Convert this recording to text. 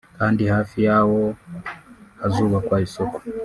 kandi hafi yawo hazubakwa isoko